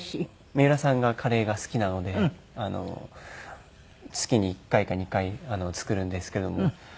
三浦さんがカレーが好きなので月に１回か２回作るんですけども。